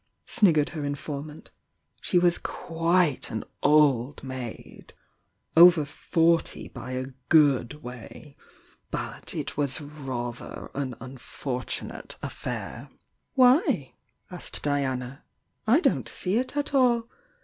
k liggered her informant. "She was quite an old maid — over forty by a good way. But it was rather an unfortunate a£Fair." "Why?" asked Diana. "I don't see it at all!